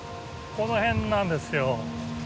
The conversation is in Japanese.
この辺なんですよ。